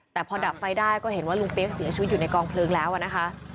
แต่พอดับไฟได้ก็เห็นว่าลุงเปี๊ยกเสียชีวิตอยู่ในกองเพลิงแล้วนะคะ